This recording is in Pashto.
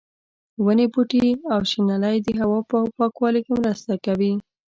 ونې، بوټي او شنېلی د هوا په پاکوالي کې مرسته کوي.